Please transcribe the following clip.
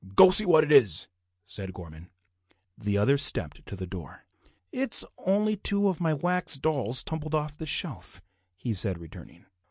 "Go see what it is," said Gorman. The other stepped to the door. "It's only two of my wax dolls tumbled off the shelf," he said on returning.